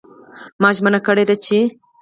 ما ژمنه کړې چې